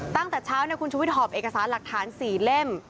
ตั้งแต่เช้าคุณชุวิตหอบเอกสารหลักฐาน๔เล่ม